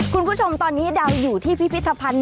คุณผู้ชมตอนนี้ดาวอยู่ที่พิพิธภัณฑ์